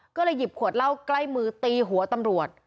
ก็เลยหยิบขวดเหล้าใกล้มือตีหัวตำรวจ